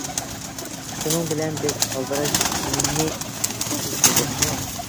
شۇنىڭ بىلەن بىز ئالدىراش ئىنىمنى ئىزدىدۇق.